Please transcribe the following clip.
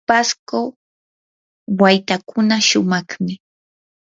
pasco waytakuna shumaqmi.